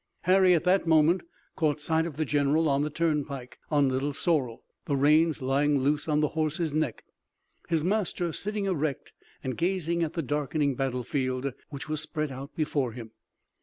Harry at that moment caught sight of the general on the turnpike, on Little Sorrel, the reins lying loose on the horse's neck, his master sitting erect, and gazing at the darkening battlefield which was spread out before him.